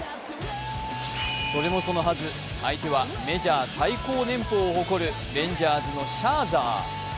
それもそのはず、相手はメジャー最高年俸を誇るレンジャーズのシャーザー。